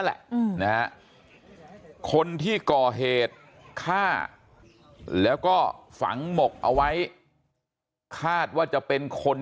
แหละนะฮะคนที่ก่อเหตุฆ่าแล้วก็ฝังหมกเอาไว้คาดว่าจะเป็นคน